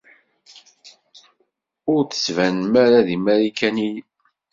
Ur d-ttbanen ara d Imarikaniyen.